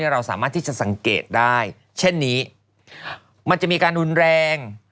เราสามารถที่จะสังเกตได้เช่นนี้มันจะมีการรุนแรง